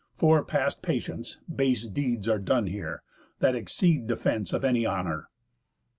For, past patience, Base deeds are done here, that exceed defence Of any honour.